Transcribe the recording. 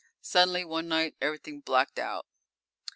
Suddenly, one night, everything blacked out.